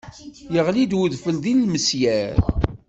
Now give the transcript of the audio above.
Yeɣli-d wedfel d ilmesyar.